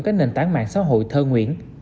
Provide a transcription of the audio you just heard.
các nền tảng mạng xã hội thơ nguyễn